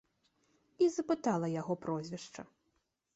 І запытала яго прозвішча.